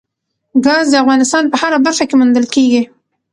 ګاز د افغانستان په هره برخه کې موندل کېږي.